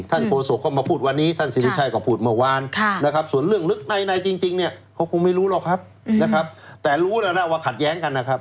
โฆษกก็มาพูดวันนี้ท่านสิริชัยก็พูดเมื่อวานนะครับส่วนเรื่องลึกในจริงเนี่ยเขาคงไม่รู้หรอกครับนะครับแต่รู้แล้วนะว่าขัดแย้งกันนะครับ